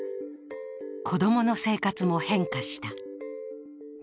子供の生活も変化した。